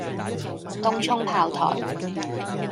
東涌炮台